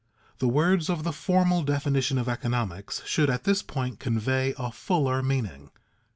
The words of the formal definition of economics should at this point convey a fuller meaning.